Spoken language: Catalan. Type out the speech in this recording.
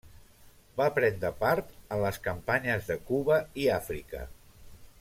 Va prendre part en les campanyes de Cuba i Àfrica.